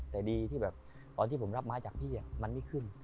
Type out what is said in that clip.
แต่ดีที่แบบตอนที่ผมรับไม้จากพี่มันไม่ขึ้น